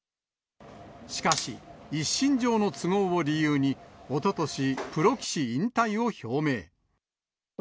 しかし、一身上の都合を理由に、おととし、プロ棋士引退を表明。